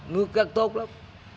nước cài tốt lắm